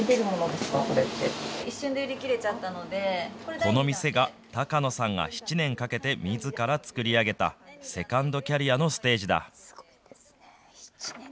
この店が、高野さんが７年かけてみずから作り上げた、セカンドキャリアのステージだ。